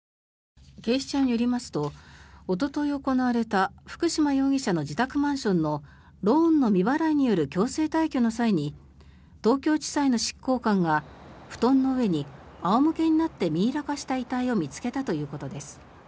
警視庁によりますとおととい行われた福島容疑者の自宅マンションのローンの未払いによる強制退去の際に東京地裁の執行官が布団の上に仰向けになってミイラ化した遺体を見つけたということです。